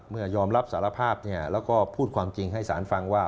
ยอมรับสารภาพแล้วก็พูดความจริงให้สารฟังว่า